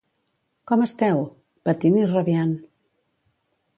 —Com esteu? —Patint i rabiant.